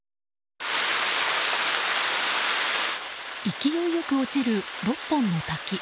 勢いよく落ちる６本の滝。